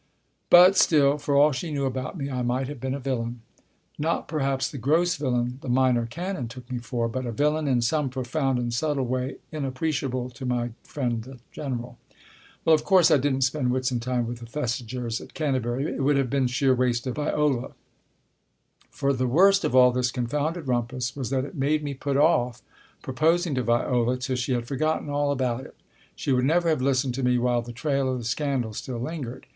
But still, for all she knew about me, I might have been a villain. Not perhaps the gross villain the Minor Canon took me for, but a villain in some profound and subtle way inappreciable to my friend the General. Well, of course I didn't spend Whitsuntide with the Thesigers at Canterbury. It would have been sheer waste of Viola. For the worst of all this confounded rumpus was that it made me put off proposing to Viola till she had forgotten all about it. She would never have listened to me while the trail of the scandal still lingered.